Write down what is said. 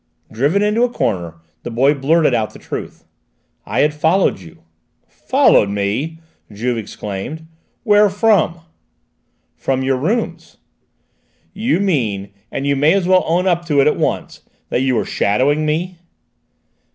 Driven into a corner, the boy blurted out the truth: "I had followed you." "Followed me?" Juve exclaimed. "Where from?" "From your rooms." "You mean, and you may as well own up to it at once, that you were shadowing me."